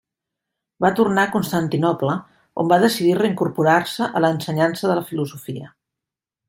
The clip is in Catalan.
Va tornar a Constantinoble on va decidir reincorporar-se a l'ensenyança de la filosofia.